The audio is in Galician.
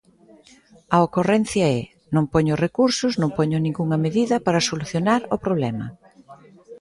A ocorrencia é: non poño recursos, non poño ningunha medida para solucionar o problema.